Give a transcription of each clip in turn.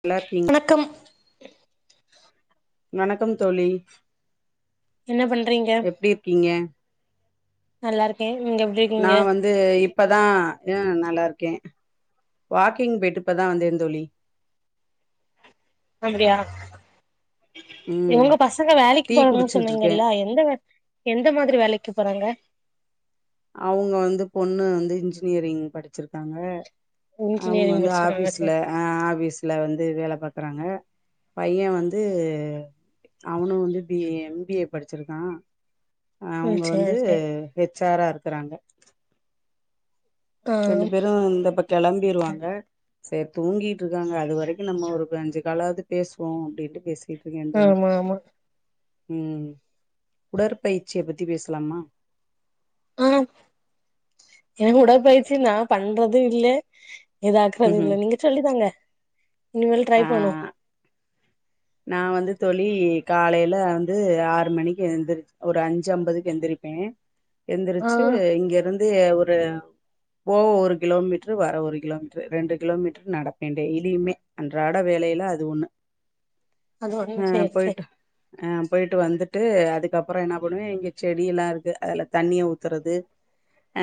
நல்லாருக்கீங் வணக்கம் வணக்கம் தோழி என்ன பண்றீங்க எப்டி இருக்கீங்க நல்லாருக்கே நீங்க நா இருக்கீங்க வந் து இப்பதா ம் நல்லார்க்கே வாக்கிங் போய்ட்டு இப்பதா வந்தந் தோழி அப்டியா ம் எங்க பசங்க வேலைக்கு டீ போறாங்கன் குடிச்சிட்டு இருக்கே சொன்னீங்கல்ல எந்த வேல எந்த மாதிரி வேலைக்கு போறாங்க அவுங்க வந்து பொண்ணு வந்து இன்ஜினியரிங் படிச்சிருக்காங்க அவுங்க இன்ஜினியரிங் வந்து முடிச்சிருக்காங்க ஆஃபீஸ்ல சேரி ஆ ஆஃபீஸ் ல வந்து வேல பாக்கறாங்க பைய வந்து அவனு வந்து B A M B A படிச்சிருக்கா ம் அவுங்க வந்து சேரி சேரி ஹெச் ஆரா இருக்கறாங்க ஆ ரெண்டு பேரு இந்த இப்ப கெளம்பிருவாங்க சேர் தூங்கிட்ருக்காங்க அது வரைக்கு நம்ம ஒரு அஞ்சி காலாவது பேசுவோ அப்டின்ட்டு பேசு பேய்ட்டுருக்கே தோழி ஆமா ஆமா ம் உடற்பயிற்சிய பத்தி பேசலாமா ஆ ஏங்க உடற்பயிற்ச்சி நா பண்றது இல்ல எதாக்குறது ம் இல்ல நீங்க சொல்லி தாங்க இனிமேல் ட்ரை ஆ பண்ணுவோ நா வந்து தோழி காலைல வந்து ஆறு மணிக்கு எந்திரிச் ஒரு அஞ்சு ஐம்பதுக்கு எந்திரிப்பே ஆ எந்திரிச்சி இங்க இருந்து ஒரு போவ ஒரு கிலோமீட்டரு வர ஒரு கிலோமீட்டரு ரெண்டு கிலோமீட்டரு நடப்பே டெய்லியுமே அன்றாட வேலையில அது ஒண்ணு அது ஒண்ணு அ சேரி சேரி போய்ட்டு அ போயிட்டு வந்துட்டு அதுக்கப்புறோ என்ன பண்ணுவே இங்க செடி எல்லா இருக்கு அதுல தண்ணிய ஊத்துறது அ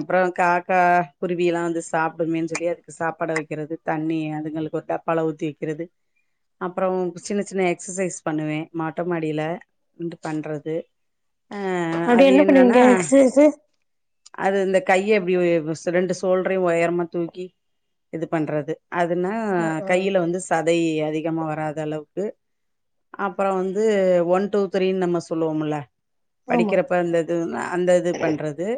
அப்றோ காக்கா குருவி எல்லா வந்து சாப்டுமேன் சொல்லி அதுக் சாப்பாடு வைக்கிறது தண்ணி அதுங்களுக்கு ஒரு டப்பால ஊத்தி வைக்கிறது அப்புறோ சின்ன சின்ன எக்ஸசைஸ் பண்ணுவே மொட்ட மாடில வந்து பண்றது அ அது என்னன்னா திஸ் இஸ் அது இந்த கையை இப்டி ரெண்டு சோல்ரையு ஒயரமா தூக்கி இது பண்றது அதுனா ஆ ஆ கையில வந்து சதை அதிகமா வராத அளவுக்கு அப்புறோ வந்து ஒன் டூ த்ரீன் நம்ம சொல்லுவோம்ல ஆமா படிக்கிற ப்ப இந்த இதுன்னா அந்த இது பண்றது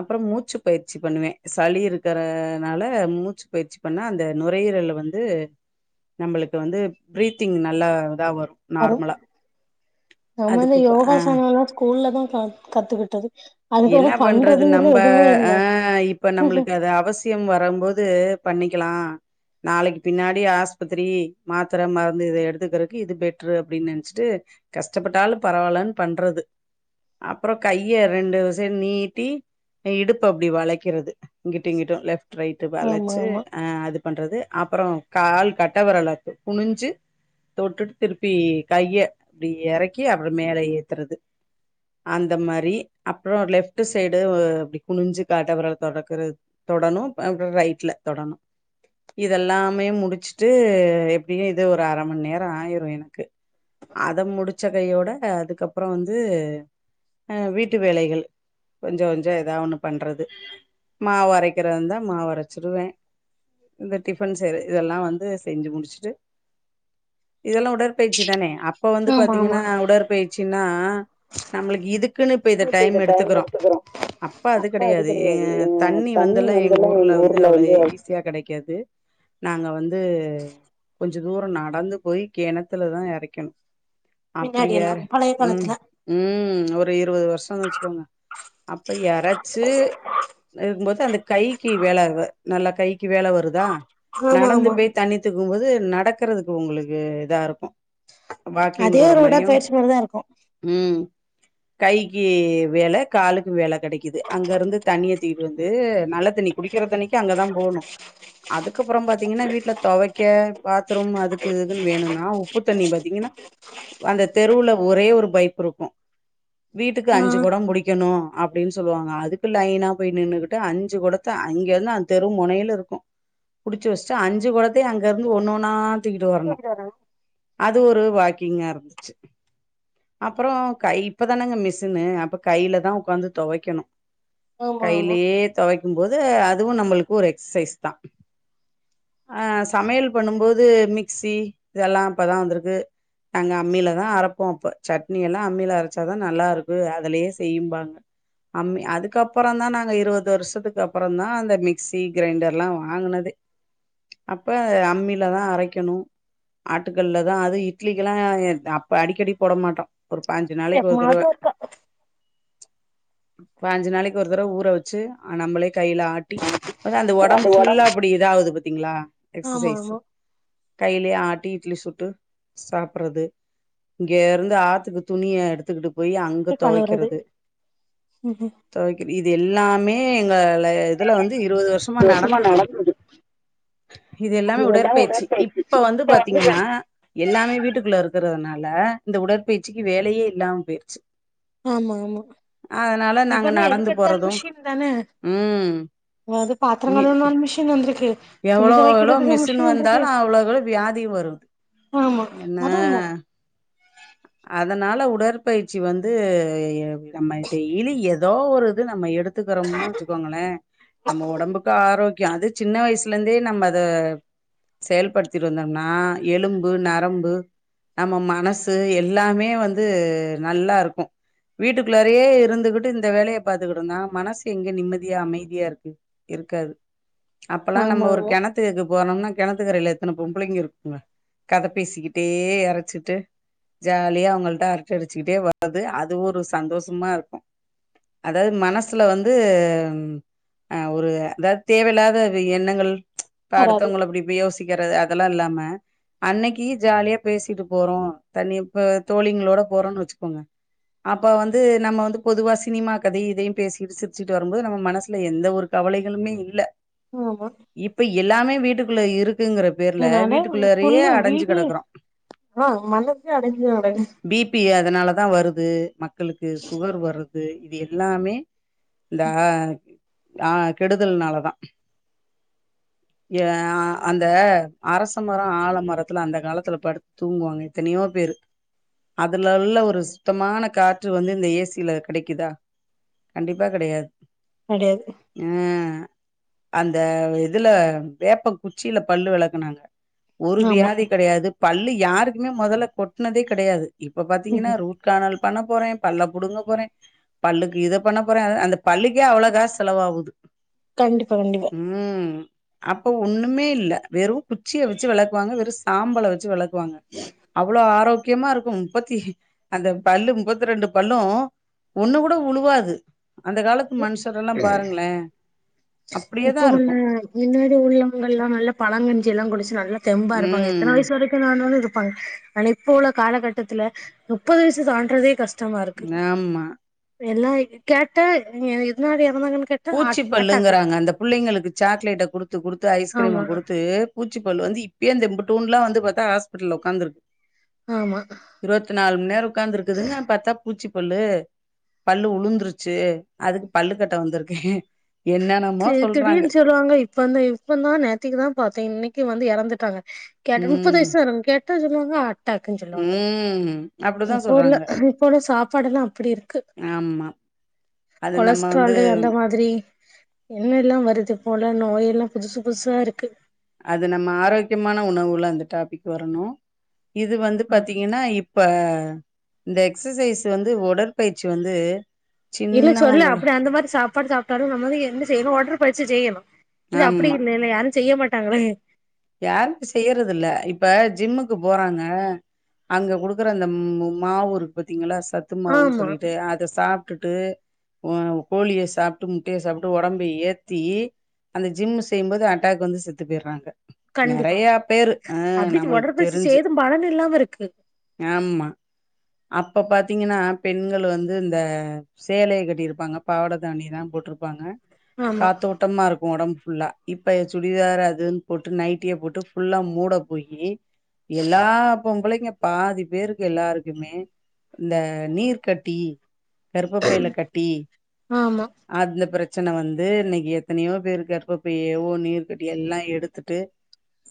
அப்புறோ மூச்சு பயிற்சி பண்ணுவே சளி இருக்கறனால மூச்சு பயிற்சி பண்ண அந்த நுரையீரல் வந் து நம்மளுக்கு வந்து ப்ரீத்திங் நல்லா இதா வரு வரு நம்மந்த அதுக்கு ஆ யோகாசன எல்லா ஸ்கூல்ல தா க கத்துக்கிட்டது அதுக்கப்றோ என்ன பண்றது பண்றதுன்னு நம்ப இல்ல எதுவுமே ஆ இல்ல இப்ப நம்பளுக்கு அது அவசிய தியம் வரும்போது பண்ணிக்கலா நாளைக்கு பின்னாடி ஆஸ்பத்திரி மாத்தர மருந்து இத எடுத்துக்கறக்கு இது பெட்ரு அப்டின்னு நெனைச்சிட்டு கஷ்டப்பட்டாலு பரவாயில்லன் பண்றது அப்புற கையை ரெண்டு ஜென் ஈட்டி இடுப்ப அப்டி வளைக்கிறது இங்கிட்டு இங்கிட்டு லெஃப்ட் ரைட்டு ஆமா வளைச்சு ஆமா அ அது பண்றது அப்பறம் கால் கட்ட வெரல குனிஞ்சி தொட்டுட் திருப்பி கைய அப்டி எறக்கி அப்ற மேல ஏத்துறது அந்த மாரி அப்ற லெஃப்ட் சைடு இப்டி குனிஞ்சு கட்ட வெரல் தொடக்குறது தொடணு ப்ற ரைட்ல தொடணு இதெல்லாமே முடிச்சுட்டு எப்டியு இது ஒரு அரமன்னேர ஆயிரும் எனக்கு அத முடிச்ச கையோட அதுக்கப்பற வந்து அ வீட்டு வேலைகள் கொஞ்ச கொஞ்ச எதா ஒண்ணு பண்றது மாவு அரைக்கிறதாந்தா மாவு அரைச்சிருவே இந்த டிஃபன் செய்ற இதெல்லா வந்து செஞ்சு முடிச்சுட்டு இதெல்லா உடர் பயிற்சி தானே அப்ப வந்து ஆமா ஆமா பாத்தீங்கனா உடற்பயிற்ச்சினா நம்மளுக்கு இதுக்குன்னு இப்ப இத டைம் எடுத் டைம் எடுத்துக்குறோ அப்ப அது கெடையாது தண்ணி வந்து எல்லா எங்க ஊர்ல வந்து அவ்ளோ ஈஸியா கெடைக்காது நாங்க வந்து கொஞ்ச தூரநடந்து போய் கெணத்துல தா எறைக்கணு மின்னாடி எல்லா அப்படியாரு பழைய ம் காலத்துல ம் ஒரு இருவது வருஷோ வச்சுக்கோங்க அப்ப எறச்சு இருக்கும்போது அந்த கைக்கு வேல நல்லா கைக்கு வேலை வருதா ஆமா நடந்து ஆமா போய் தண்ணி எத்துக்கும்போது நடக்கறதுக்கு உங்களுக்கு இதா இருக்கு வாக்கிங் அதே போற ஒரு மாரியு உடற்பயிற்சி மாரிதா இருக்கு ம் கைக்கி வேல காலுக்கு வேல கெடைக்குது அங்க இருந்து தண்ணிய தூக்கிட்டு வந்து நல்ல தண்ணி குடிக்கிற தண்ணிக்கு அங்கதா போணு அதுக்கப்பறம் பாத்தீங்கன்னா வீட்ல தொவைக்க பாத்ரூம் அதுக்கு இதுக்குன்னு வேணுனாவ் உப்புதண்ணி பாத்தீங்கன்னா அந்த தெருவுல ஒரே ஒரு பைபு இருக்கு வீட்டுக்கு ஆ அஞ்சு கொடம் புடிக் கணும் அப்டின்னு சொல்லுவாங்க அதுக்கு லைனா போய் நின்னுகிட்டு அஞ்சு கொடத்த அங்க இருந்து அந்த தெரு மொனையில இருக்கு புடிச்சு வச்சுட்டு அஞ்சு கொடத்தையு அங்க இருந்து ஒண்ணு ஒன்னா தூக்கிட்டு வரணு அது ஒரு வாக்கிங்கா இருந்துச்சு அப்பற கை இப்பதானங்க மிஸ்ஸுனு அப்ப கைல தா உக்காந்து தொவைக்கணு ஆமா ஆமா கையிலயே தொவைக்கும் போது அதுவு நம்மளுக்கு ஒரு எக்ஸசைஸ் தா அ சமையல் பண்ணும்போது மிக்சி இதெல்லா இப்பதா வந்திருக்கு நாங்க அம்மில தா அரப்போ அப்ப சட்னி எல்லா அம்மில அரச்சாதா நல்லா இருக்கு அதுலயே செய்யிம்பாங்க அம்மி அதுக்கப்பறோ தா நாங்க இருவது வருஷத்துக்கு அப்பறோ தா அந்த மிக்சி கிரைண்டர்லா வாங்குனது உஹ [unintelligible] அப்ப அம்மிலதா அரைக்கணு ஆட்டுகள்லதா அது இட்லிக்கெல்லா அ அப்ப அடிக்கடி போட மாட்டோ ஒரு பானஞ்சு நாளைக்கி ஒரு தடவ எப்பமாது ஒருக்கா பானஞ்சு நாளைக்கி ஒரு தடவ ஊற வச்சு நம்மளே கைல ஆட்டி அதா அந்த ஒடம்பு ஃபுல்லா இப்டி இதாகுது பாத்தீங்ளா ஆமா எக்சசைசு ஆமா கையிலே ஆட்டி இட்லி சுட்டு சாப்புறது இங்கயிருந்து ஆத்துக்கு துணிய எடுத்துக்கிட்டு போய் அங்க கழுவுறது தொவைக்கிறது பத்து தொவைக் இது எல்லாமே எங்க ல இதுல வந்து இருவது வருஷமா நடந்தது இது எல்லாமே உடற்பயிற்சி இப்ப வந்து பாத்தீங்கன்னா எல்லாமே வீட்டுக்குள்ள இருக்கறதுனால இந்த உடற்பயிற்சிக்கு வேலையே இல்லாம போய்ருச்சி ஆமா ஆமா நாங்க இப்பதா நடந்து எதுக்கெடுத்தாலு போறதும் மிஷின் தான ம் அது பாத்ரோ மி கழுவுனாலு மிஷின் வந்திருக்கு துணி எவ்வளோ எவ்வளோ துவைக்கிறதுக்கு மிஷின் வந்திருக்கு வந்தாலும் அவ்வளோகளோ வியாதி வரு ஆமா அது உண்மதா அதனால உடற்பயிற்சி வந் து நம்ம டெய்லி ஏதோ ஒரு இது நம்ம எடுத்து கத்துக்கறம்னு வச்சுக்கோங்களே நம்ம ஒடம்புக்கு ஆரோக்கியோ அது சின்ன வயசுல இந்தே நம்ம அத செயல்படுத்திட்டு வந்தோம்னா எலும்பு நரம்பு நம்ம மனசு எல்லாமே வந்து நல்லா இருக் வீட்டுக்குள்ளாரையே இருந்துகிட்டு இந்த வேலைய பாத்துக்கிட்ருந்தா மனசு எங்க நிம்மதியா அமைதியா இருக்கு இருக்காது அப்பல்லா ஆமா நம்ம ஒரு ஆமா கெண த்துக்கு போனோம்னா கெணத்துக்கரையில எத்தன பொம்பள்ளைங்க இருக்குங்க கத பேசிக்கிட்டே எரச்சிட்டு ஜாலியா அவங்கள்ட்ட அரட்ட அடிச்சுக்கிட்டே வரது அது ஒரு சந்தோஷமா இருக்கு அதாவது மனசுல வந்து அ ஒரு அதாது தேவயில்லாத எண்ணங்கள் இப்ப வராது அடுத்தவங்க அப்டி யோசிக்கிறது அதெல்லா இல்லாம அன்னைக்கி ஜாலியா பேசிட்டு போறோ தனிப் இப்ப தோழிங்களோட போறோன் வச்சுக்கோங்க அப்ப வந்து நம்ம வந்து பொதுவா சினிமா கதை இதையு பேசிகிட்டு சிரிச்சிகிட்டு வரும்போது நம்ம மனசுல எந்த ஒரு கவலைகளுமே இல்ல ஆமா இப்ப எல்லாமே வீட்டுக்குள்ள இருக்குங்கற என்னால ஃபுல்லு வீடே ஆ மலச்சே அடைஞ்ச அடையு பிபி அதனாலதா வருது மக்களுக்கு சுகர் வரது இது எல்லாமே இந்த ஆ கெடுதல்னால தா [unintelligible] ஏ அந்த அரச மரோ ஆலமரத்துல அந்த காலத்துல படுத் தூங்குவாங்க எத்தனையோ பேரு அதுலல்ல ஒரு சுத்தமான காற்று வந்து இந்த ஏ சி யில கெடைக்குதா கண்டிப்பா கெடையாது கெடையாது அ அந்த இதுல வேப்பங் குச்சில பல்லு வெளக்குனாங்க ஒரு ஆமா வியாதி கெடயாது பல்லு யாருக்குமே மொதல்ல கொட்னதே கெடயாது இப்ப ம் பாத்தீங்கன்னா ரூ ட் காணல் பண்ண போறே பல்ல புடுங்க போறே பல்லுக்கு இத பண்ண போறே அ அந்த பல்லுக்கே அவ்ளோ காசு செலவாவுது கண்டிப்பா கண்டிப்பா ம் அப்போ ஒண்ணுமே இல்ல வெறு குச்சிய வச்சு வெளக்குவாங்க வெறு சாம்பல வச்சு வெள க்குவாங்க அவ்ளோ ஆரோக்கியமாருக்கு முப்பத்தி அந்த பல்லு முப்பத்தி ரெண்டு பல்லு ஒண்ணு கூட வுழுவாது அந்த காலத்து மனுஷர்ல்லா பாருங்ளே இப்பவுள்ள இன்னாடி உள்ளங்கள்ல்லா நல்லா பழங்கஞ்சில்லா குடிச்சு நல்லா தெம்பாருப்பாங்க எத்தன ம் வய்சு வ ரை ஆனாலு இருப்பாங்க ஆனா இப்போ உள்ள காலகட்டத்துல முப்பது வயசு தான்றதே கஷ் டமாருக்கு ஆமா எல்லா கேட்டா எதுனால எறந்தாங்கன் கே பூச்சி பல்லுங்குராங்க அந்த புள்ளைங்களுக்கு சாக்லேட்ட குடுத்து குடுத்து ஐஸ்கிரீம ஆமா குடுத் து பூச்சிப்பல்லு வந்து இப்பயே இந்த இம்புட்டூன்லா வந்து பாத்தா ஆஸ்பிட்டல்ல ஒக்காந்துருக்கு ஆமா இருவத்து நால் மண் நேரோ உக்காந்துருக்குதுங்க பாத்தா பூச்சிப்பல்லு பல்லு உளுந்துருச்சு அதுக்கு பல்லு கட்ட வந்துருக்கே தே திடீர்ன் சொ ல்வாங்க இப்பந்தா இப்பநாதா நேத்திக்கு தா பாத்தே இன்னக்கி வந்து எறந்துட்டாங்க கேட்டா முப்பது ம் வயசு தாருக்கு கேட்டா சொல்லுவாங்க அட்டாக்குன் சொல்லுவாங்க ம் அப்டிதா இப்போ உள்ள சொல்றாங்க இப்போ உள்ள சாப்பாடுல்லா அப்டி இருக்கு ஆமா அது நம்ம வந்து கொலஸ்ட்டாலு அந்த மாதிரி என்னெல்லா வருது போல நோய் எல்லா புதுசு புதுசாருக்கு அது நம்ம ஆரோக்கியமான உணவுல அந்த டாபிக் வரணு இது வந்து ம் பாத்தீங்கன்னா இ ப்ப இந்த எக்ஸசைஸ் வந்து ஒடற்பயிற்சி வந்து இல்ல சொல்லு சின்னவங்கள் அப்டி அந்த மாரி சாப்பாடு சாப்டாலு நம்ம வந்து என்ன செய்யணு ஒடற்பயிற்சி செய்யணு இல்ல ஆமா அப்டியில்லல்ல யாரு செய்ய மாட்டாங்கள யாரு இப்ப செய்யறது இல்ல இப்ப ஜிம்முக்கு போறாங்க அங்க குடுக்குற அந்த ம்மா மாவுருக்கு பாத்தீங்ளா சத்து மாவுன் ஆமா சொல்லிட்டு அத சாப்டுட்டு உ கோழிய சாப்ட்டு முட்டய சாப்ட்டு ஒடம்ப ஏத்தி அந்த ஜிம்மு செய்யு போது அட்டாக் வந்து செத்து போய்றாங்க கண்டிப்பா நறையா பேரு ஆ அப்டி நம்மளுக்கு ஒடற்பயிற்சி தெரிஞ்சு செய்தும் பலன் இல்லாம இருக்கு ஆமா அப்ப பாத்தீங்கன்னா பெண்கள் வந்து இந்த சேலய கட்டியிருப்பாங்க பாவட தாவ்ணி தா போட்ருப்பாங்க ஆமா காத்தோட் டமாருக்கு ஒடம்பு ஃபுல்லா இப்ப சுடிதாரு அதுன் இதுன் போட்டு நைட்டிய போட்டு ஃபுல்லா மூட போயி எல்லா பொம்பளைங்க பாதி பேருக்கு எல்லாரு க்குமே இந்த நீர் கட்டி கர்பப்பைல கட்டி ஆமா அதுல பிரச்சன வந்து இன்னக்கி எத்தனையோ பேரு கருபப்பையோ நீர்கட்டி எல்லா எடுத்துட்டு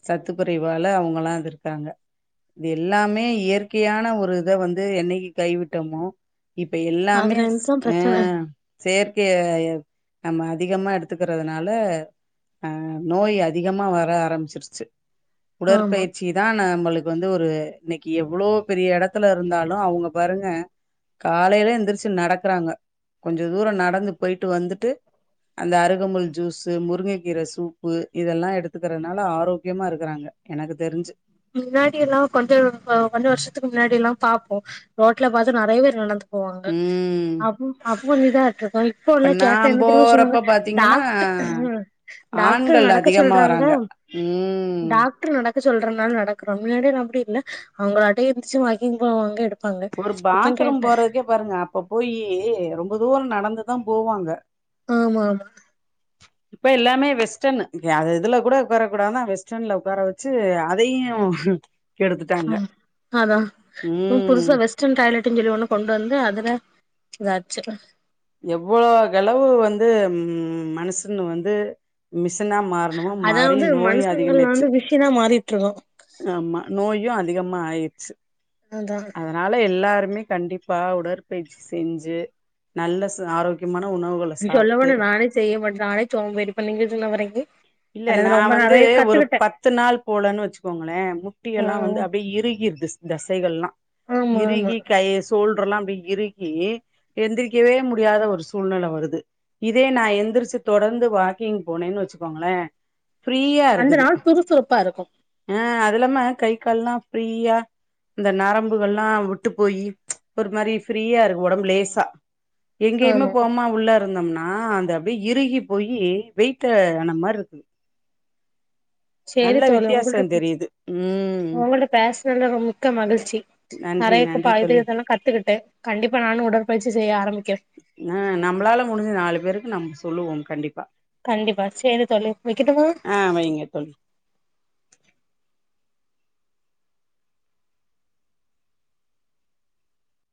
சத்துக்குறைவால அவுங்கல்லா அது இருக்காங்க இது எல்லாமே இயற்கையான ஒரு இத வந்து என்னக்கக கைவிட்டோமோ இப்ப எல்லாமே அதுல இருந்துதா ஆ பிரச்சன செயற்கைய நம்ம அதிகமா எடுத்துக்கறதுனால ஆ நோய் அதிகமா வர ஆரம்பிச்சிருச்சு ஆமா உடற்பயிற்சி தா நம்மளுக்கு வந்து ஒரு இன்னக்கி எவ்ளோ பெரிய எட த்துல இருந்தாலு அவுங்க பாருங்க காலைல எந்திரிச்சு நடக்கறாங்க கொஞ்ச தூரோ நடந்து போயிட்டு வந்துட்டு அந்த அருகம்புல் ஜூஸு முருங்கைகீர சூப்பு இதெல்லா எடுத்துக்கறனால ஆரோக்கியமா இருக்கறாங்க எனக்கு தெரிஞ்சு மின்னாடியெல்லா கொஞ்சோ கொஞ்சோ வருஷத்துக்கு முன்னாடியெல்லா பாப்போ ரோட்ல பாத்து நெறைய பேர் நடந்து போவாங்க ம் அப்பு அப்பு கொஞ்சோ இதாட்டு இருக்கு இப்ப ப்பெல்லா நா கேட்டா என்ன தெரிமா போறப்ப சொல்லுவாங்க பாத்தீங்கன்னா டாக்டர் டாக்டர் ஆண்கள் நடக்க அதிகமா சொல்றாங்க வராங்க ம் டாக்டரு நட க்க சொல்றனால நடக்கறோ முன்னாடியெல்லா அப்டி இல்ல அவங்களாட்டோ எஞ்ச்சு வாக்கிங் போவாங்க எடுப்பாங்க ஒரு இப்ப பாத்ரூம் கேட்டே போறதுக்கே பாருங்க அப்ப போயி ரொம்ப தூரோ நடந்துதா போவாங்க ஆமாமா இப்ப ஏல்லாமே வெஸ்டர்னு அ இதுல கூட உக்கார கூடாதுன்னு வெஸ்டர்ன்ல உக்கார வெச்சு அதையு கெடுத்துட்டாங்க அ அதா இப்ப ம் புதுசா வெ ஸ்டர்ன் டாய்லெட்டுனு சொல்லி ஒண்ணு கொண்டு வந்து அதுல இதாச்சு எவ்ளோ கெளவு வந்து ம் மனுசுன வந்து மிசி மாறணுமோ மாறி நோய் அதிகமாய்ச்சு னா மாறிட்டுட்ருக்கோ ஆமா நோயு அதிகமா ஆயிச்சு அதா அதனால எல்லாருமே கண்டிப்பா உடற்பயிற்சி செஞ்சு நல்ல ச ஆரோ க்கியமான உணவுகள் சொல்லபோனா நானே செய்யமாட்ட நானே சோம்பேறி இப்ப நீங்க சொன்ன வரைக்கு இல்ல நா அதுலந்து ரொம்ப வந்து நெறைய ஒரு கத்துக்கிட்டே பத்து நாள் போளன்னு வெச்சுக்கோங்ளே முட்டி ஆ யெல்லா வந்து அப்டியே இறுகிருது தசைகள்ல்லா ஆமா ஆமா இறுகி கய சோல்டர்றெல்லா அப்டியே இறுகி எந்திரிக்கவே முடியாத ஒரு சூழ்நில வருது இதே நா எந்திரிச்சு தொடர்ந்து வாக்கிங் போனேன்னு வெச்சுக்கோங்ளே ஃப்ரீயா அந்த இருக்குது நாள் சுறுசுறுப்பா இருக்கு அ அது இல்லாம கை கால்ல்லா ஃப்ரீயா இந்த நரம்புக எல்லா விட்டு போயி ஒரு மாரி ஃப்ரீயா இரு ஒடம்பு லேசா எங்கேயுமே ஆமா போமா உள்ள இருந்தம்னா அந்த அப்டியே இறுகி போயி வெயிட் டான மாருக்கு சேரி தோழி வித்தியாசோ உங்கள்ட்ட தெரியுது ம் உங்கள்ட்ட பேசனதுல ரொ மிக்க மகிழ்ச்சி நன்றி நெறையக்க நன்றி இப்ப இது தோழி இதெல்லா கத்துக்கிட்டு கண்டிப்பா நானு உடற்பயிற்சி செய்ய ஆரம்பிக்கிற ம் நம்மளால முடிஞ்சுது நாலு பேருக்கு நம்ம சொல்லுவோ கண்டிப்பா கண்டிப்பா சேரி தோழி வெக்கிட்டுமா ஆ வைங்க தோழி